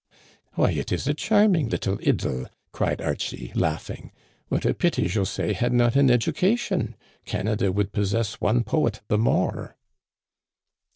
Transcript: Why, it is a charming little idyl I " cried Archie, laughing. "What a pity José had not an education! Canada would possess one poet the more."